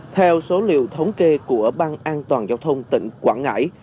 theo số liệu thống kê của ban an toàn giao thông tỉnh quảng ngãi